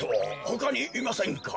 ほかにいませんか？